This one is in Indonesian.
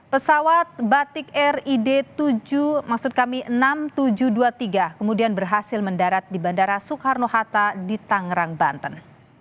pesawat batik rid tujuh maksud kami enam ribu tujuh ratus dua puluh tiga kemudian berhasil mendarat di bandara soekarno hatta di tangerang banten